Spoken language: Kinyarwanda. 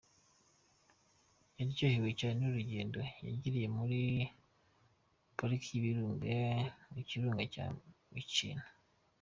Yaryohewe cyane n’urugendo yagiriye muri pariki y’Ibirunga mu Kirunga cya Mikeno.